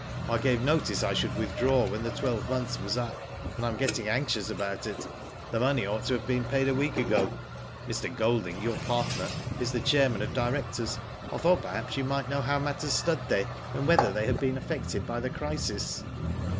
I gave notice I should withdraw when the twelve months was up, and I'm getting anxious about it. The money ought to have been paid a week ago. Mr. Digitized byGoogk THE COLT BY PHANTOM. 213 Golding, your partner, is the chairman of directors. I thought, perhaps, you might know how matters stood there, and whether they had been affected by the crisis."